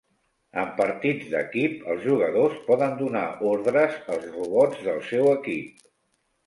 En partits d'equip, els jugadors poden donar ordres als robots del seu equip.